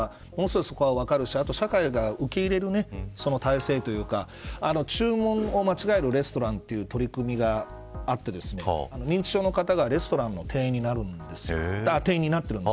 そこは分かるしあとは社会が受け入れる体制というか注文を間違えるレストランという取り組みがあって認知症の方がレストランの店員になってるんです。